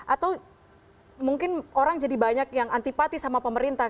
atau mungkin orang jadi banyak yang antipati sama pemerintah